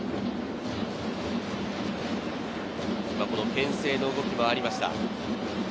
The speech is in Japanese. けん制の動きもありました。